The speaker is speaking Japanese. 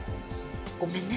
ごめんね。